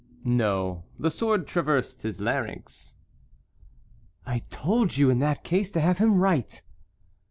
"No, the sword traversed his larynx." "I told you in that case to have him write."